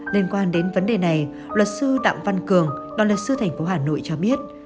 liên quan đến vấn đề này luật sư đặng văn cường đoàn luật sư thành phố hà nội cho biết